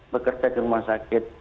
bekerja di rumah sakit